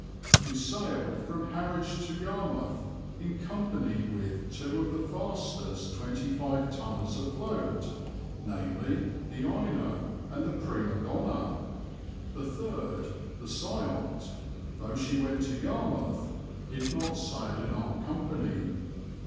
"We sailed from Harwich to Yarmouth in company with two of the fastest 25 tonners afloat, viz., the Ino, and the Prima Donna; the third, the Seiont, though she went to Yarmouth, did not sail in our company.